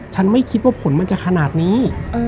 ไม่คิดว่าผลมันจะขนาดนี้